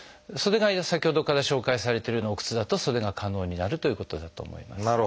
それが先ほどから紹介されてるようなお靴だとそれが可能になるということだと思います。